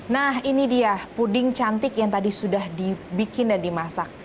nah ini dia puding cantik yang tadi sudah dibikin dan dimasak